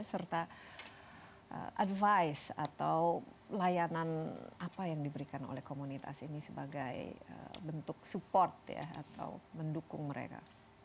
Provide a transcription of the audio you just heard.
serta advice atau layanan apa yang diberikan oleh komunitas ini sebagai bentuk support ya atau mendukung mereka